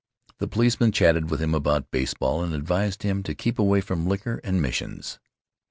The policeman chatted with him about baseball and advised him to keep away from liquor and missions.